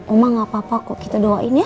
oma gak apa apa kok kita doain ya